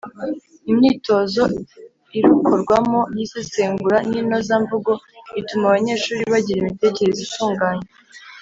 Imyitozo irukorwamo y’isesengura n’inozamvugo ituma abanyeshuri bagira imitekerereze itunganye.